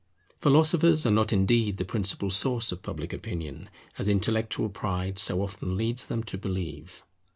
Philosophers are not indeed the principal source of Public Opinion, as intellectual pride so often leads them to believe.